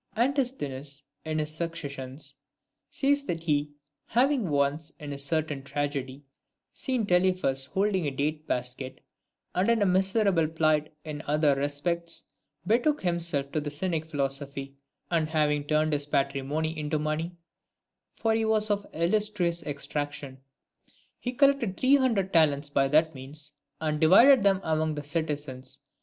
IV. Antisthenes, in his Successions, says that he, having once, in a certain tragedy, seen Telephus holding a date basket, and in a miserable plight in other respects, betook himself to the Cynic philosophy ; and having turned his patrimony into money (for he was of illustrious extraction), he collected three hundred talents by that means, and divided them among the citizens.